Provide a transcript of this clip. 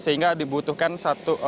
sehingga dibutuhkan satu